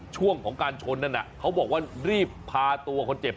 ช่วงของการชนนั่นน่ะเขาบอกว่ารีบพาตัวคนเจ็บ